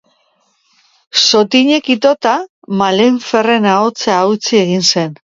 Zotinek itota, Malenferren ahotsa hautsi egin zen.